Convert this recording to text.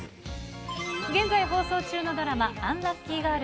現在放送中のドラマ、アンラッキーガール！